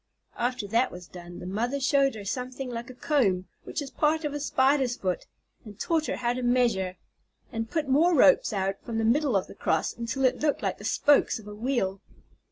After that was done, the mother showed her something like a comb, which is part of a Spider's foot, and taught her how to measure, and put more ropes out from the middle of the cross, until it looked like the spokes of a wheel.